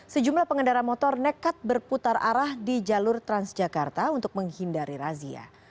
sejumlah pengendara motor nekat berputar arah di jalur transjakarta untuk menghindari razia